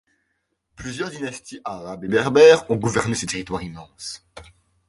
Plusieurs dynasties arabes et berbères ont gouverné ce territoire immense.